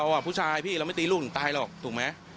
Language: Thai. ผู้ชายพี่เราไม่ตีลูกหนูตายหรอกถูกไหม